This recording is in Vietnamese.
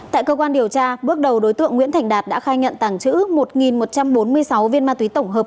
tại cơ quan điều tra bước đầu đối tượng nguyễn thành đạt đã khai nhận tàng trữ một một trăm bốn mươi sáu viên ma túy tổng hợp